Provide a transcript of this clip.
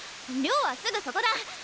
寮はすぐそこだ。